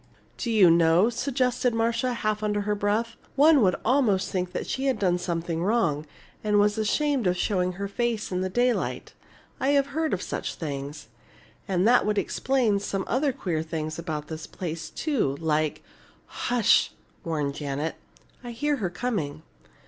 "Do you know," suggested Marcia, half under her breath, "one would almost think she had done something wrong and was ashamed of showing her face in the daylight. I've heard of such things. And that would explain some other queer things about this place, too, like " "Hush!" warned Janet. "I hear her coming."